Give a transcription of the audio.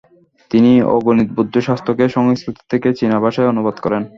তিনি অগণিত বৌদ্ধ শাস্ত্রকে সংস্কৃত থেকে চীনাভাষায় অনুবাদ করেন।